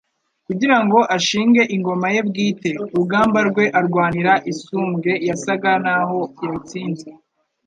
kugira ngo ashinge ingoma ye bwite. Urugamba rwe arwanira isumbwe, yasaga naho yarutsinze.